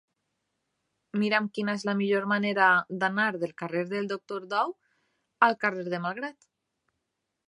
Mira'm quina és la millor manera d'anar del carrer del Doctor Dou al carrer de Malgrat.